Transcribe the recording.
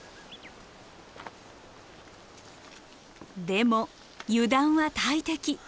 でも油断は大敵。